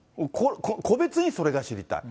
個別にそれが知りたい。